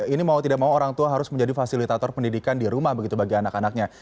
ini mau tidak mau orang tua harus menjadi fasilitator pendidikan di rumah begitu bagi anak anaknya